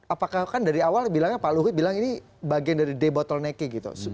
apakah kan dari awal bilangnya pak luhi bilang ini bagian dari debottlenecking gitu